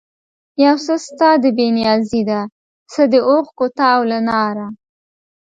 یو څه ستا د بې نیازي ده، څه د اوښکو تاو له ناره